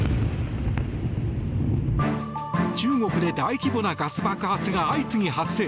中国で大規模なガス爆発が相次ぎ発生。